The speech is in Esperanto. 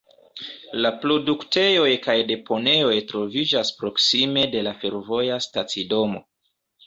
La produktejoj kaj deponejoj troviĝas proksime de la fervoja stacidomo.